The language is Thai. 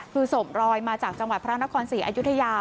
คือศพรอยมาจากจังหวัดพระนครศรีอยุธยา